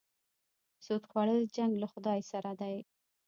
سود خوړل جنګ له خدای سره دی.